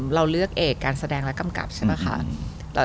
เราเลือกเอกการแสดงและกำกับใช่ป่ะคะ